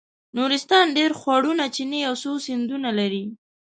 نورستان ډېر خوړونه چینې او څو سیندونه لري.